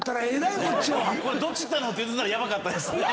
これどちたの？って言ってたらヤバかったですね。